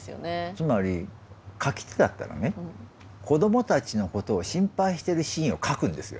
つまり書き手だったらね子どもたちのことを心配してるシーンを書くんですよ。